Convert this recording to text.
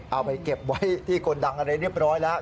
เอาไปเก็บไว้ที่กลดังอะไรเรียบร้อยแล้ว